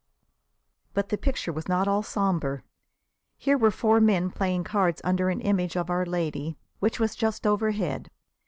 But the picture was not all sombre. Here were four men playing cards under an image of Our Lady, which was just overhead.